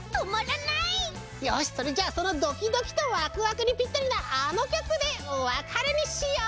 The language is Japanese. よしそれじゃそのドキドキとワクワクにぴったりなあのきょくでおわかれにしよう！